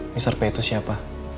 mister p itu siapa